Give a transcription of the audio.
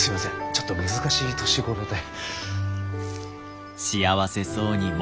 ちょっと難しい年頃で。